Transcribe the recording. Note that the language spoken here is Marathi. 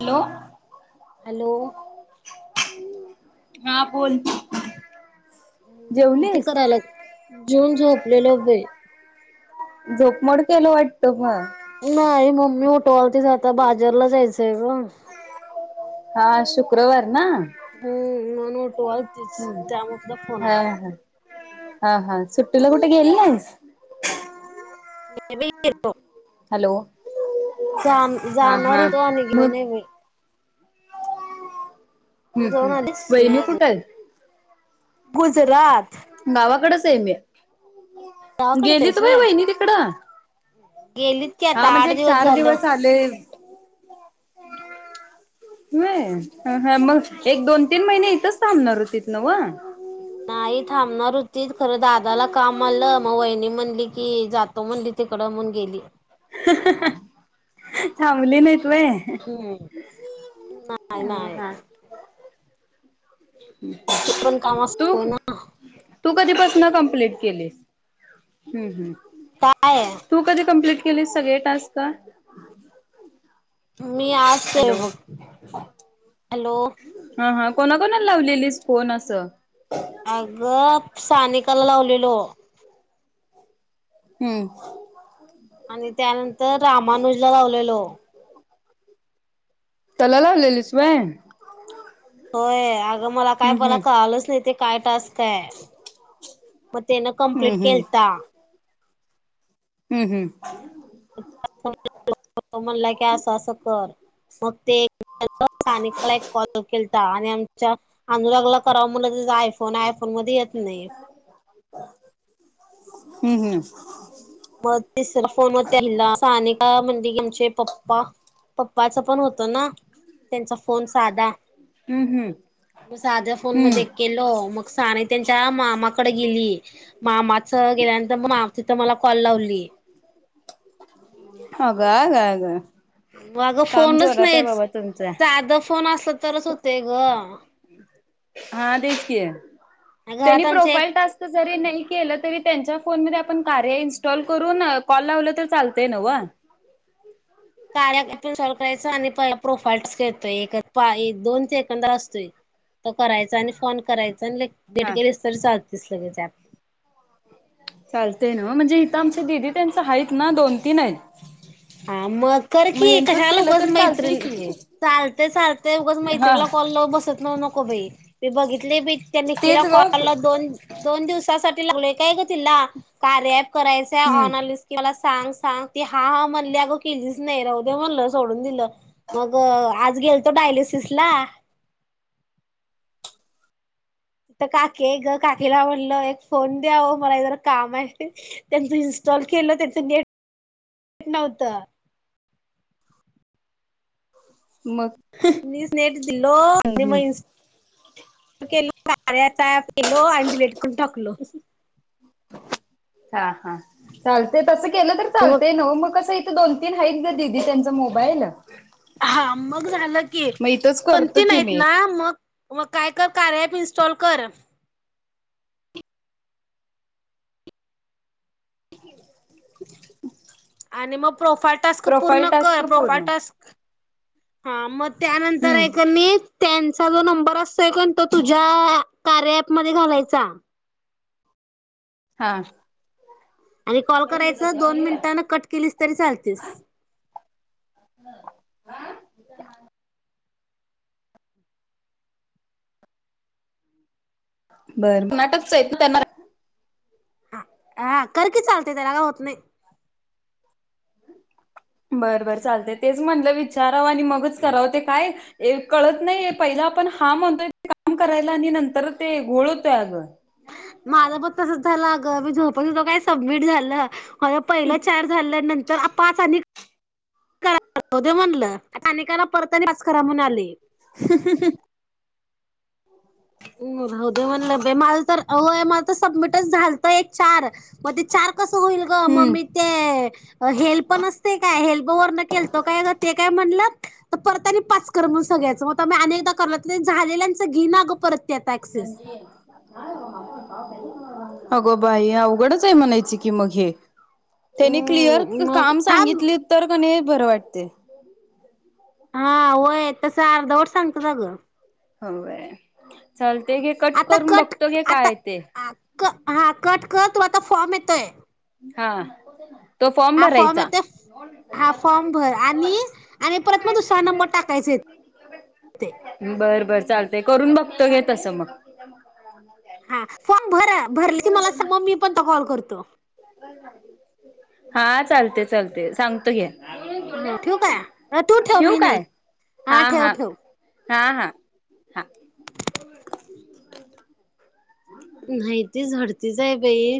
Hello hello. हा बोल. किती जेवलीस करायला? जेऊन झोपलेलो बाई. झोप मोड केलं वाटत मग. नाही मम्मी उठ टोल तेच आता बाजरला जायचंय ग. हा शुक्रवार. ना. [unintelligible] त्यामधला फोन हा आला. हा हा हा, सुट्टीला कुठे गेली नाहीस? मी बी केलो हॅलो जान हा जाणार हा होत आणि गेल मग नाही हम्म म तू हम्, जाऊन आलीस हम् नाही वहिनी अजून कुठं आहेत गुजरात गावाकडेच आहे मी गावाकडेच गेलीत आहेस होय वहिनी तिकडं गेलीत की आता हा म्हणजे आठ एक चार झालं दिवस आले हो ह मग एक दोन तीन महिने इथच थांबणार होतीथ न व नाही थांबणार होतीत खरं दादाला काम आलं मग वहिणी म्हणली कि जातो म्हणली तिकडं मग गेली [unintelligible] थांबली नाहीत होय हम्म नाही, नाही ते पण काम तू असत ना तू कधीपासून कम्प्लेट केलीस ह, ह काय तू कधी कंप्लीट केली सगळे टास्क मी आज केले हॅलो. बघ हॅलो कोणा कोणाला लावलेलीस फोन असं अगं सानिकाला लावलेलो हम्म आणि त्यानंतर रामानुजला लावलेलो त्याला लावलेलीस होय होय अगं मला काय मला कळलंच नाही ते काय टास्क आहे म त्यानं हम्म कंप्लीट केलता ह, ह तो म्हणाला की असं, असं कर मग ते हॅलो सानिकाला एक कॉल केलता आणि आमच्या अनुरागला करावा म्हणलं आयफोन आयफोन मध्ये येत नाही. हूं हूं! म तिसरा फोन त्यांनला म सानेिक म्हणते की आमचे पप्पा? पप्पाच पण होतं ना त्यांचा फोन साधा. हम्म हम्म. मग साध्या फोन मध्ये हम्म किलो मग साने त्यांच्या मामा गेली मामाच गेल्यांतर म मा तिथं मा कॉल लावली. आग आग आग फोनच नाहीच, तुमचं. साध फोन असला तरच होत्या ग हा तेच की त्यांनी घरात आमच्या एक प्रोफाईल टास्क जरी नाही केलं, तरी त्यांच्या फोन म पण कार्या इंस्टॉल करून कॉल लाव त चालतय नव. [unintelligible] करायचा आणि फोन करायचा आणि लेक देट हा. केेलीस तर चा तस लगेच ऍप. चालतय ना म्हणजे इथं आमच्या दिदी त्यांच आहेत ना दोन तीन आहेत. हा मग कर की ह्यांचंच कशाला केलं उगच तर चालतंय मैत्रीण की. चालत, चालत उगच हा मैत्रीला कॉल लावू बसत न नको बई. ते बाघित लई बी त्यांनी तेच केला ग कॉल दोन, दोन दिवसासाठ लागलंय काय ग कार्यात, करायचं ऑना हम्म लिस्ट मला सांग सांग ती हा हा म्हण मी आग केलीच नाही. राहू दे म्हणल, सोडून दिलं मग आज गेल तो डायलिसिस ला. त काके ग काकीला म्हणलं. एक फोन द्या ओ मला जर काम आहे. त्यांचं इनस्टॉल केलं त्यांचं नेट नव्हतं. मग. मीच नेट दिलो आणि हम्म मग इस केलो. कार्याचा अँप दिलो, आणि ते डिलिट करून टाकलो. हा हा चालते. तसं केलं तर मग चालतेय नव्ह मग कस दोन तीन हाईत ग दिदी त्यांच मोबाईल ल. हा मग झालं की इथंच दोन करतो तीन की आहीत मी ना मग. मग काय कर कार्या ऍप इन्स्टॉल कर. आणि म प्रोफाल टास्क प्रोफाईल पूर्ण टास्क कर, प्रोफाल पूर्ण टास्क.. हा म! त्यानंतर हम्म एक मी. त्यांचा जो नंबर असतोय कान तो तुझ्या कार्या एप मध्ये घालायचा. हां आणि कॉल करायचं दोन मिनिटांनं कट केलीस तरी चालतीस. [inaudible] बर नाटकच येत ना त्यांना हां, हा करकी चालतंय त्याला काय होत नाही. बर बर चालते, तेच म्हटलं विचारावं आणि मगच करावं ते काय ए कळत नाहीये पहिला आपण हान म्हणतोय ते काम करायला आणि नंतर ते घोळ होतय आगं. माझं प तसच तला आगं, मी झोपत होतं काय सब्मिट झालं. हंओ पहिला चार झाल्यानंतर पाच आणि करा दे म्हणलंत्, अनेकांना परतानी पास करा म्हणून आलय. [unintelligible] मल त सबमिटच झालतं एक चार. म ते चार कसं होईल गं, म मी हम्म ते हेल्प नसते काय हेल्प वरनं केलतो काय गं ते काय म्हणल्यात परत आणि पाच कर म सगळ्यांचं, म आता मी अनेकदा करते झालेल्यांचं ईनागं परत. ते आता ऍक्सेस. संजय [unintelligible] अगो बाई अवघडच हाय म्हणायचं की मग हे. त्यानी क्लिअर हम्म मग काम थांब सांगितले तर कणी बरं वाटते. हां होय, तसं अर्धवट सांगतात अगं. हो वय, चाल ते घे कट आता करून बघतो गे काय आय ते. हां, कट कर तूला आता फॉर्म येतोय. हां हां फॉर्म येतोय. हां फॉर्म भर आणि, आणि परत म दुसरा नंबर टाकायचाये ते. त घे तसं मग. हां फॉर्म भर, भरली त मला सांगा मी पण ते कॉल कर तो हां चालतय चालतय सांगतो घ्या. हां ठेवू काय? अ तू ठेव ठेवू मी नाही हां ठेव ठेव. हां-हां-हां नाहीती झडतीच आय बाई.